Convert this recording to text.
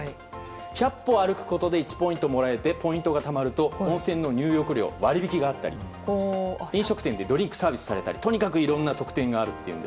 １００歩歩くことで１ポイントもらえてポイントがたまると温泉の入浴料に割引があったり飲食店でドリンクサービスされたりいろいろな特典があると。